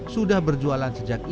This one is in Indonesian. sudah berjualan sejak ia